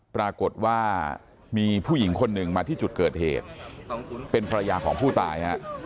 ปรากฏว่ามีผู้หญิงคนหนึ่งมาที่จุดเกิดเหตุเป็นภรรยาของผู้ตายฮะ